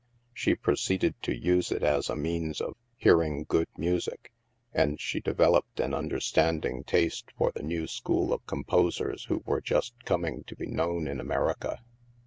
She proceeded to use it as a means of hearing good music, and she developed an imderstanding taste THE MAELSTROM 245 for the new school of composers who were just coming to be known in America.